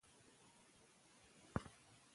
خپل نظر له احتیاطه شریک کړه.